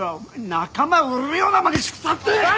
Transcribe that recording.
仲間売るようなまねしくさって！